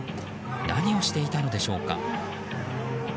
何をしていたのでしょうか。